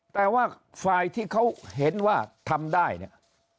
แต่ว่าฝ่ายที่เขาเห็นว่าทำได้เนี่ย